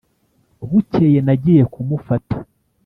bukeye nagiye kumufata